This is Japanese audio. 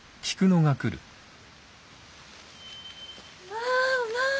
まあまあ！